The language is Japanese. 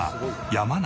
山梨？